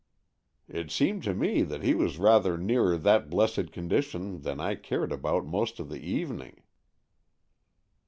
'' It seemed to me that he was rather nearer that blessed condition than I cared about most of the evening."